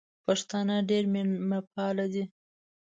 پښتانه ډېر مېلمه پال دي